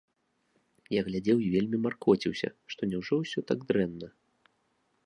Я глядзеў і вельмі маркоціўся, што няўжо ўсё так дрэнна?